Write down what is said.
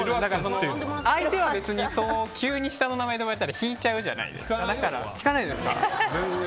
相手は急に下の名前で呼ばれたら引いちゃうじゃないですか。